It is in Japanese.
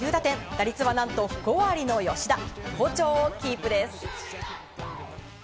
打率は何と５割の吉田好調をキープです。